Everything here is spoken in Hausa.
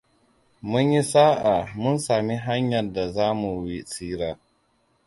Mun yi sa'a mun sami hanyar da za mu tsira.